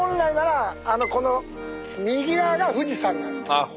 あっ